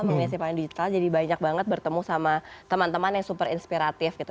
komisi paling digital jadi banyak banget bertemu sama teman teman yang super inspiratif gitu